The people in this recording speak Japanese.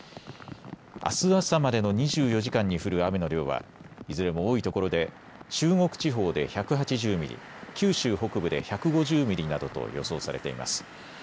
あす朝までの２４時間に降る雨の量はいずれも多いところで中国地方で１８０ミリ、九州北部で１５０ミリなどと予想されています。